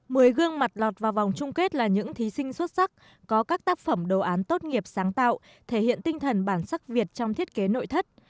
mười gương mặt lọt vào vòng chung kết là những thí sinh xuất sắc có các tác phẩm đồ án tốt nghiệp sáng tạo thể hiện tinh thần bản sắc việt trong thiết kế nội thất